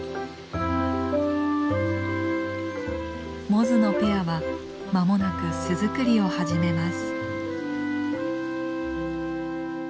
モズのペアは間もなく巣作りを始めます。